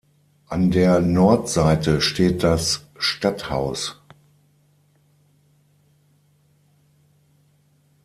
An der Nordseite steht das Stadthaus.